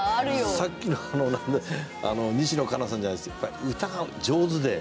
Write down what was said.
さっきの西野カナさんじゃないですけどやっぱり歌が上手で。